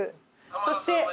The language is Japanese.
そして。